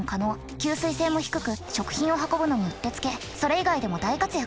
吸水性も低く食品を運ぶのにうってつけそれ以外でも大活躍。